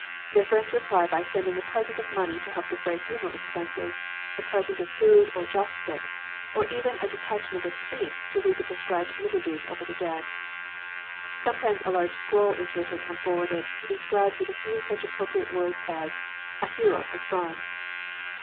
Their friends reply by sending a present of money to help defray funeral expenses, a present of food or joss stick, or even a detachment of priests to read the prescribed liturgies over the dead. Sometimes a large scroll is written and forwarded, inscribed with a few such appropriate words as — "A hero has gone!"